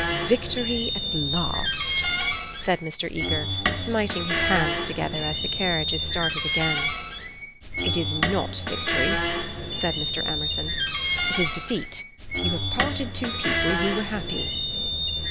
"Victory at last!" said Mr. Eager, smiting his hands together as the carriages started again. "It is not victory," said Mr. Emerson. "It is defeat. You have parted two people who were happy."